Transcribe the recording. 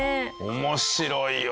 面白いわ。